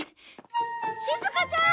しずかちゃん！